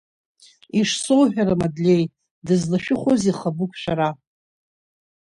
Ишсоуҳәара, Мадлеи, дызлашәыхәозеи Хабыгә шәара?